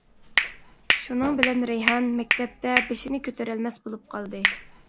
شۇنىڭ بىلەن رەيھان مەكتەپتە بېشىنى كۆتۈرەلمەس بولۇپ قالدى.